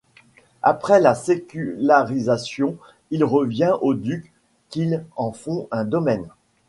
Après la sécularisation, il revient aux ducs qui en font un domaine.